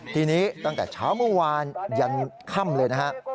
ทีนี้ตั้งแต่เช้าเมื่อวานยันค่ำเลยนะฮะ